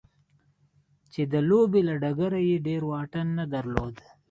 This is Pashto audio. چې د لوبې له ډګره يې ډېر واټن نه درلود.